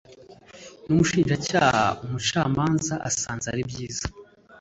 n umushinjacyaha umucamanza asanze ari byiza